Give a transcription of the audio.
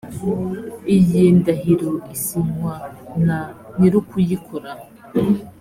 iyi ndahiro isinywa na nyir’ukuyikora